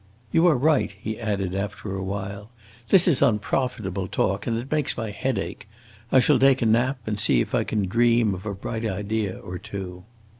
You are right," he added after a while; "this is unprofitable talk, and it makes my head ache. I shall take a nap and see if I can dream of a bright idea or two."